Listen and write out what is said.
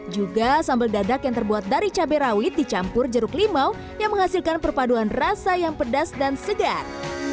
juga sambal dadak yang terbuat dari cabai rawit dicampur jeruk limau yang menghasilkan perpaduan rasa yang pedas dan segar